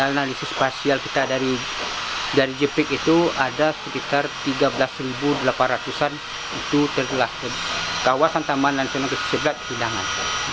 analisa spasial kita dari jp ika itu ada sekitar tiga belas delapan ratus an itu telah di kawasan taman sengsirat terhidangkan